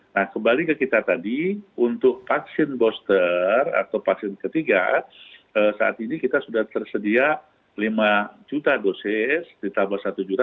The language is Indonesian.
nah kembali ke kita tadi untuk vaksin booster atau vaksin ketiga saat ini kita sudah tersedia lima juta dosis ditambah satu juta